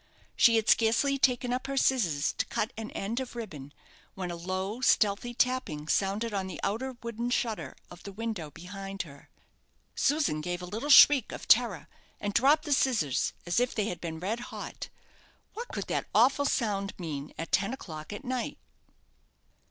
She had scarcely taken up her scissors to cut an end of ribbon, when a low, stealthy tapping sounded on the outer wooden shutter of the window behind her. Susan gave a little shriek of terror, and dropped the scissors as if they had been red hot. What could that awful sound mean at ten o'clock at night?